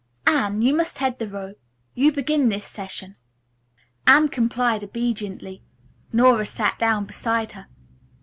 Anne, you must head the row. You began this session." Anne complied obediently. Nora sat down beside her.